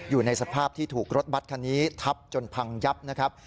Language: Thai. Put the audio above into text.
อยู่ในสภาพที่ถูกรถบัตรคันนี้ทับจนพังยับนะครับ